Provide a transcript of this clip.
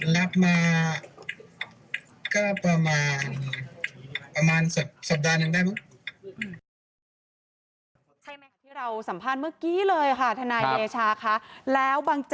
รับมาก็ประมาณสัปดาห์นึงได้มั้ง